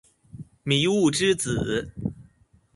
迷霧之子